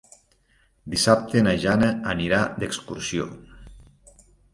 Dissabte na Jana anirà d'excursió.